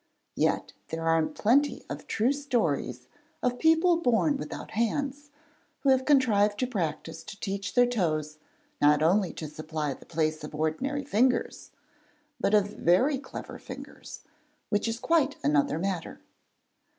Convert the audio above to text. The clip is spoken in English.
Yet, there are plenty of true stories of people born without hands, who have contrived by practice to teach their toes not only to supply the place of ordinary fingers, but of very clever fingers, which is quite another matter!